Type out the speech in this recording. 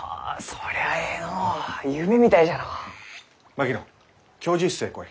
槙野教授室へ来い。